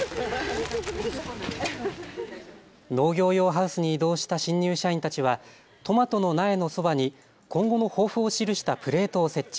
農業用ハウスに移動した新入社員たちはトマトの苗のそばに今後の抱負を記したプレートを設置。